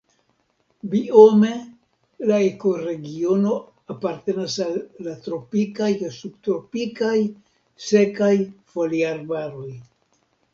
Biome la ekoregiono apartenas al la tropikaj kaj subtropikaj sekaj foliarbaroj.